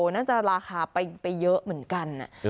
น่าจะราคาไปเยอะเหมือนกัน